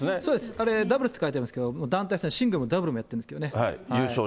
あれ、ダブルスって書いてありますけれども、団体戦、シングルスもダブルもやってるんですけどね。